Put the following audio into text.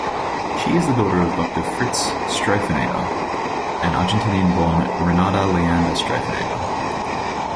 She is the daughter of Doctor Fritz Streifeneder and Argentinian-born Renata Leander-Streifeneder.